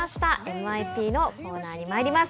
ＭＩＰのコーナーにまいります。